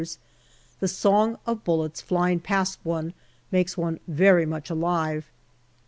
the song of bullets flying past one makes one very much alive.